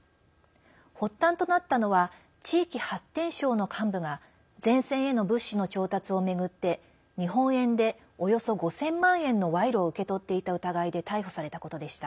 発端となったのは地域発展省の幹部が前線への物資の調達を巡って日本円でおよそ５０００万円の賄賂を受け取っていた疑いで逮捕されたことでした。